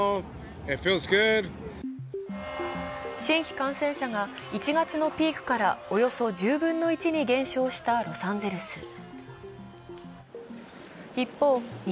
新規感染者が１月のピークからおよそ１０分の１に減少したロサンゼルス。